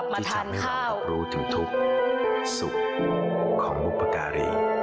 ที่ฉันไม่รับรู้ถึงทุกข์สุขของมุพการี